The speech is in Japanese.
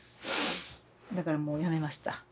だからもうやめました。